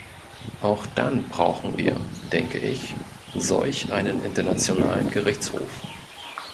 Auch dann brauchen wir, denke ich, solch einen Internationalen Gerichtshof.